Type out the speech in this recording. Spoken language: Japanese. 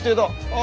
あ。